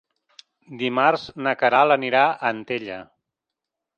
Dimarts na Queralt anirà a Antella.